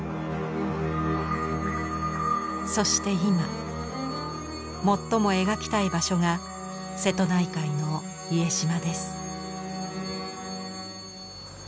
そして今最も描きたい場所が瀬戸内海の家島です。